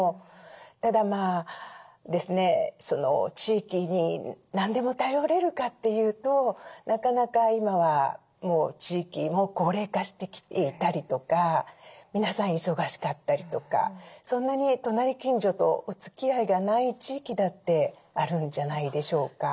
ただ地域に何でも頼れるかっていうとなかなか今はもう地域も高齢化してきていたりとか皆さん忙しかったりとかそんなに隣近所とおつきあいがない地域だってあるんじゃないでしょうか。